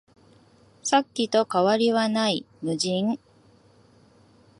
さっきと変わりはない、無人